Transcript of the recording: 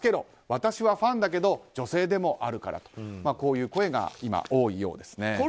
私はファンだけど女性でもあるからとこういう声が今、多いようです。